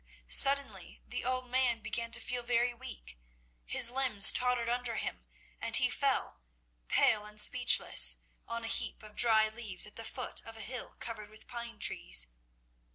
Suddenly the old man began to feel very weak. His limbs tottered under him, and he fell, pale and speechless, on a heap of dry leaves at the foot of a hill covered with pine trees.